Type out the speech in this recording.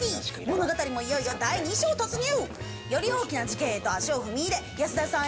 物語もいよいよ第２章突入！より大きな事件へと足を踏み入れ安田さん